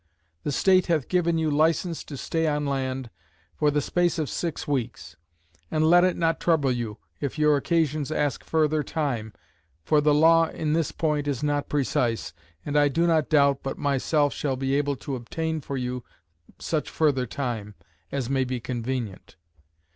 The State hath given you license to stay on land, for the space of six weeks; and let it not trouble you, if your occasions ask further time, for the law in this point is not precise; and I do not doubt, but my self shall be able, to obtain for you such further time, as may be convenient.